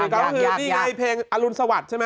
ก็คือนี่ไงเพลงอรุณสวัสดิ์ใช่ไหม